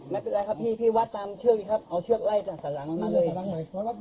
ไม่เป็นไรครับพี่พี่วัดตามเชือกครับ